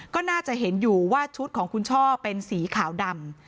ก็น่าจะเห็นอยู่ว่าชุดของคุณช่อเป็นสีขาวดำ